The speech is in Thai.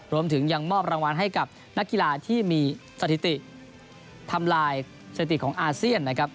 รวมถึงยังมอบรางวัลให้กับนักกีฬาที่มีสถิติทำลายสถิติของอาเซียนนะครับ